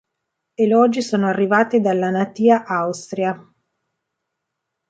Elogi sono arrivati dalla natìa Austria.